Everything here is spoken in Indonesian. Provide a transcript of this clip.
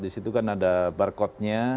di situ kan ada barcodenya